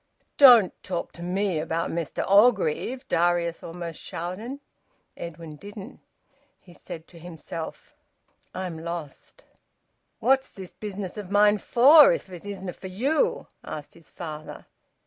"Don't talk to me about Mester Orgreave!" Darius almost shouted. Edwin didn't. He said to himself: "I am lost." "What's this business o' mine for, if it isna' for you?" asked his father.